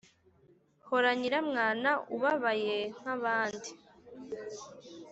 hora nyiramwana ubabaye nk’abandi